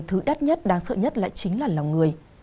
thứ đắt nhất đáng sợ nhất lại chính là lòng người